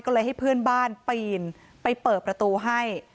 ก็เลยให้เพื่อนบ้านปีนไปเปิดประตูให้